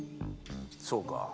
そうか。